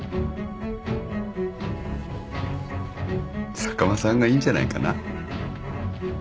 坂間さんがいいんじゃないかな。